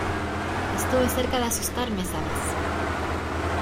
Estuve cerca de asustarme esa vez.